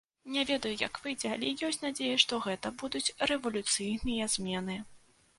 Не ведаю, як выйдзе, але ёсць надзея, што гэта будуць рэвалюцыйныя змены.